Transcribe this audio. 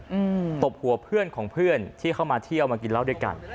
ตบหัวเพื่อนของเพื่อนที่เข้ามาเที่ยวมากินเหล้าด้วยกัน